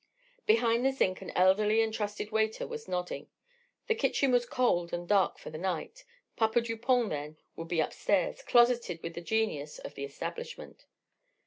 Behind the zinc an elderly and trusted waiter was nodding. The kitchen was cold and dark for the night. Papa Dupont, then, would be upstairs, closeted with the genius of the establishment.